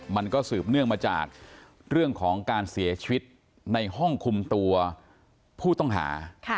มันก็สืบเนื่องมาจากเรื่องของการเสียชีวิตในห้องคุมตัวผู้ต้องหา